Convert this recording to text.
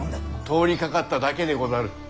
通りかかっただけでござる。